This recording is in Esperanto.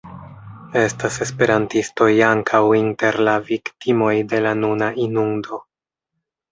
Estas esperantistoj ankaŭ inter la viktimoj de la nuna inundo.